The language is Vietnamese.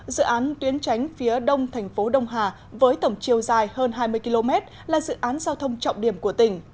dự án tuyến tránh phía đông thành phố đông hà với tổng chiều dài hơn hai mươi km là dự án giao thông trọng điểm của tỉnh